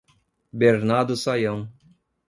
Bernardo Sayão